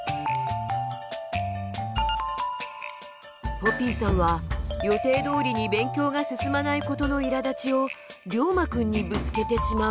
ポピーさんは予定どおりに勉強が進まないことのいらだちをりょうまくんにぶつけてしまう。